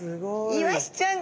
イワシちゃん